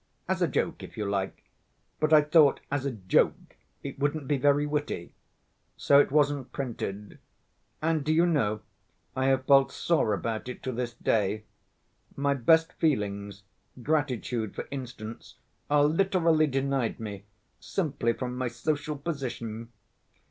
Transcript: As a joke, if you like.' But I thought as a joke it wouldn't be very witty. So it wasn't printed. And do you know, I have felt sore about it to this day. My best feelings, gratitude, for instance, are literally denied me simply from my social position."